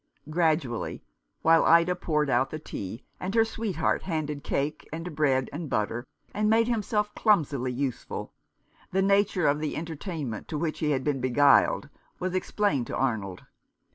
Gradually, while Ida poured out the tea, and her sweetheart handed cake and bread and butter, and made himself clumsily useful, the nature of the entertainment to which he had been beguiled was explained to Arnold.